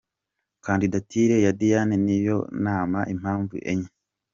Candidature ya Diane nyibonamo impamvu enye: